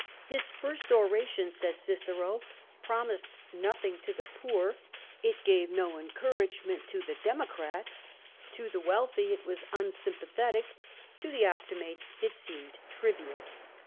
His first oration," says Cicero, ''promised nothing to the poor; it gave no en couragement to the Democrats; to the wealthy it was ' unsympathetic ; to the Optimates it seemed trivial."